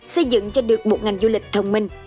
xây dựng cho được một ngành du lịch thông minh